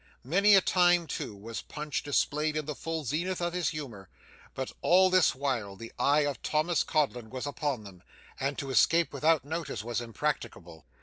Many a time, too, was Punch displayed in the full zenith of his humour, but all this while the eye of Thomas Codlin was upon them, and to escape without notice was impracticable.